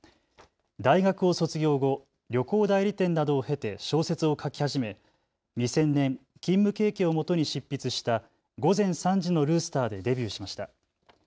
大学を卒業後、旅行代理店などを経て小説を書き始め２０００年、勤務経験をもとに執筆した午前三時のルースターでデビューしました。